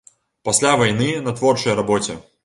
Пасля вайны на творчай рабоце.